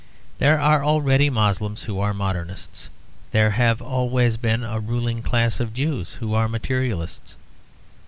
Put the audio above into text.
There are already Moslems who are Modernists; there have always been a ruling class of Jews who are Materialists.